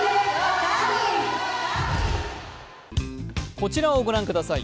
こちらをご覧ください。